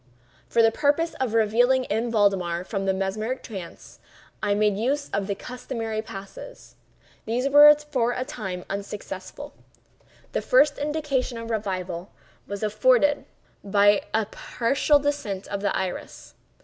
For the purpose of relieving M. Valdemar from the mesmeric trance, I made use of the customary passes. These, for a time, were unsuccessful. The first indication of revival was afforded by a partial descent of the iris.